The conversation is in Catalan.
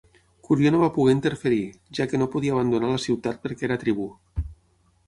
Curió no va poder interferir, ja que no podia abandonar la ciutat perquè era tribú.